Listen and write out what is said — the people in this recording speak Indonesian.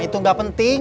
itu yang paling penting